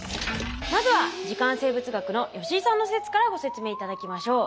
まずは時間生物学の吉井さんの説からご説明いただきましょう。